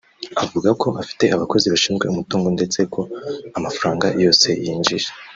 avuga ko afite abakozi bashinzwe umutungo ndetse ko amafaranga yose yinjije